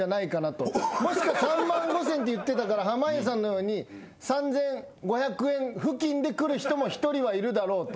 もしくは３万５，０００って言ってたから濱家さんのように３，５００円付近でくる人も一人はいるだろうと。